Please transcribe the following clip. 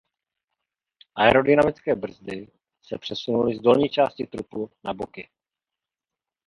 Aerodynamické brzdy se přesunuly z dolní části trupu na boky.